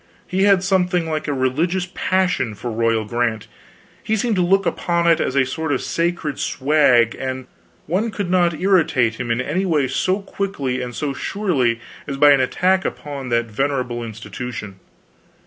He had something like a religious passion for royal grant; he seemed to look upon it as a sort of sacred swag, and one could not irritate him in any way so quickly and so surely as by an attack upon that venerable institution.